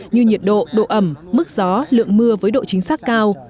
như nhiệt độ độ ẩm mức gió lượng mưa với độ chính xác cao